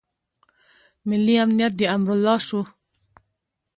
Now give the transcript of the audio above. ملي امنیت د امرالله شو.